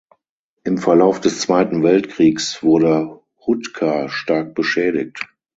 Im Verlauf des Zweiten Weltkriegs wurde Hutka stark beschädigt.